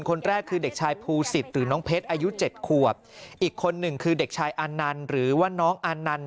คนแรกคือเด็กชายภูสิตหรือน้องเพชรอายุเจ็ดขวบอีกคนหนึ่งคือเด็กชายอานันต์หรือว่าน้องอานันต์